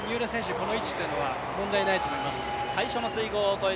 この位置というのは問題ないと思います。